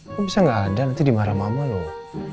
kok bisa nggak ada nanti dimarah mama loh